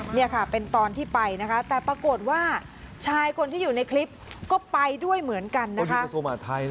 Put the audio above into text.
นี่ค่ะเป็นตอนที่ไปนะคะแต่ปรากฏว่าชายคนที่อยู่ในคลิปก็ไปด้วยเหมือนกันนะคะ